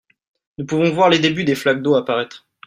Nous pouvons voir les débuts des flaques d'eaux apparaître